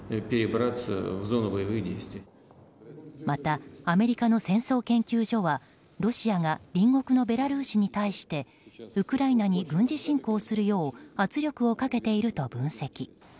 また、アメリカの戦争研究所はロシアが隣国のベラルーシに対してウクライナに軍事侵攻するよう圧力をかけていると分析。